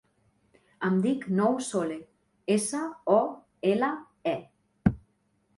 Em dic Nouh Sole: essa, o, ela, e.